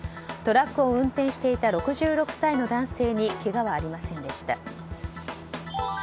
トラックを運転していた６６歳の男性にけがはありませんでした。